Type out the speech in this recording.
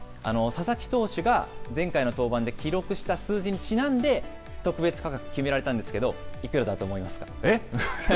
佐々木投手が前回の登板で記録した数字にちなんで、特別価格、決められたんですけど、いくらだとえっ？